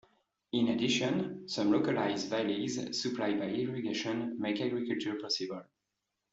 In addition, some localized valleys supplied by irrigation make agriculture possible.